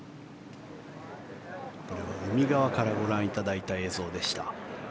海側からご覧いただいた映像でした。